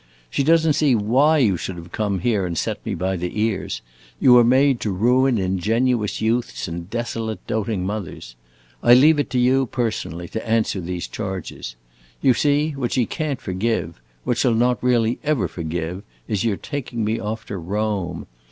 She does n't see why you should have come here and set me by the ears: you are made to ruin ingenuous youths and desolate doting mothers. I leave it to you, personally, to answer these charges. You see, what she can't forgive what she 'll not really ever forgive is your taking me off to Rome.